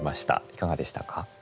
いかがでしたか？